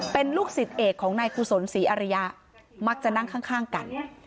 เป็นลูกศิษย์เอกของนายกุศลศรีอริยะมักจะนั่งข้างกัน